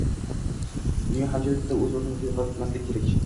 Dunyo hamjamiyatida oʻz oʻrnimizni yoʻqotmaslik kerak